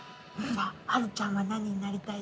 はるちゃんは何になりたいですか？